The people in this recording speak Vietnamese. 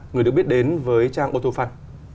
người được biết đến với trang autofun